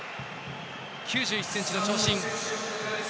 １ｍ９１ｃｍの長身。